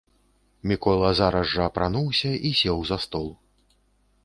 Мікола зараз жа апрануўся і сеў за стол.